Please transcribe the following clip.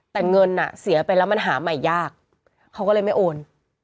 แต่เงินเสียไปแล้วมันหาใหม่ยากเขาก็เลยไม่โอน